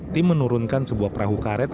tim menurunkan sebuah perahu karet